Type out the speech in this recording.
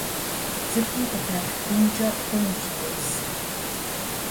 ЦӀыхум къыдалъхункӀэ хъунущ а узыр.